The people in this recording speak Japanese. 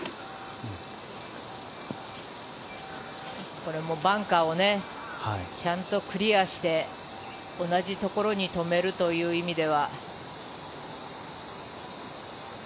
これもバンカーをちゃんとクリアして同じところに止めるという意味では。